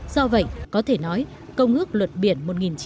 do vậy có thể nói công ước luật biển một nghìn chín trăm tám mươi hai